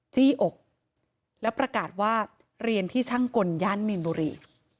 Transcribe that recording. จี้อกแล้วประกาศว่าเรียนที่ช่างกลย่านมีนบุรี